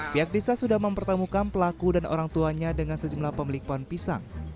pihak desa sudah mempertemukan pelaku dan orang tuanya dengan sejumlah pemilik pohon pisang